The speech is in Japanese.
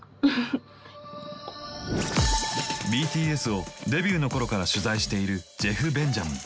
ＢＴＳをデビューの頃から取材しているジェフ・ベンジャミン。